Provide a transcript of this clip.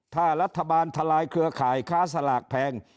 ถ้ารัฐบาลทลายเครือข่ายค้าสลากแพง